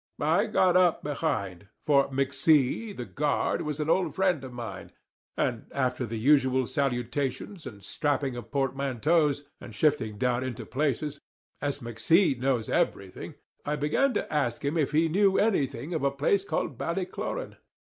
I got up behind, for McC , the guard, was an old friend of mine; and after the usual salutations and strapping of portmanteaus, and shifting down into places, as McC knows everything, I began to ask him if he knew anything of a place called Ballycloran.